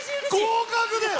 合格です！